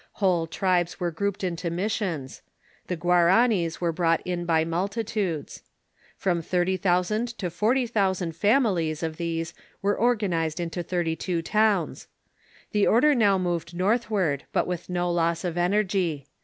Whole tribes were grouped into missions. The Guaranis were brought in by multitudes. From thirty thousand to forty thousand fam ilies of these were organized into thirty two towns. The order now moved northward, but with no loss of energy.